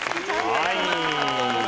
はい。